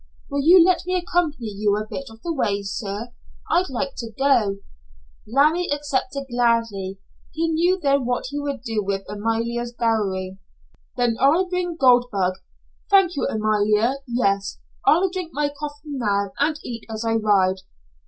"Will you let me accompany you a bit of the way, sir? I'd like to go." Larry accepted gladly. He knew then what he would do with Amalia's dowry. "Then I'll bring Goldbug. Thank you, Amalia, yes. I'll drink my coffee now, and eat as I ride."